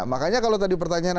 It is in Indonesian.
makanya kalau tadi pertanyaan